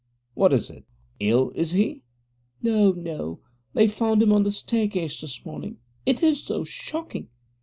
What is it ill, is he?' 'No, no; they found him on the staircase this morning; it is so shocking.'